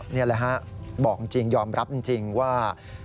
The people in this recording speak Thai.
นี่แหละฮะบอกจริงยอมรับจริงว่า